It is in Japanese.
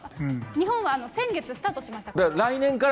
日本は先月スタートしましたから。